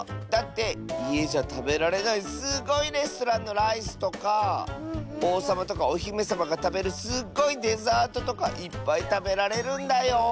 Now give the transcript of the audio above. だっていえじゃたべられないすっごいレストランのライスとかおうさまとかおひめさまがたべるすっごいデザートとかいっぱいたべられるんだよ。